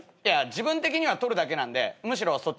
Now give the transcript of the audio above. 自分的には捕るだけなんでむしろそっちの方がいいです。